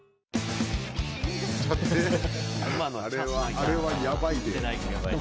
あれはヤバいで。